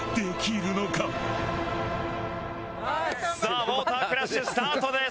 さあウォータークラッシュスタートです。